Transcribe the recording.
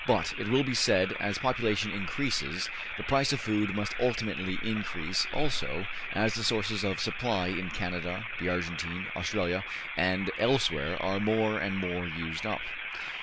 But, it will be said, as population increases, the price of food must ultimately increase also as the sources of supply in Canada, the Argentine, Australia and elsewhere are more and more used up.